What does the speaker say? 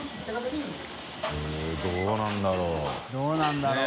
悗А舛どうなんだろう？